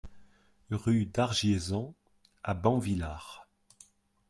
Rue d'Argiésans à Banvillars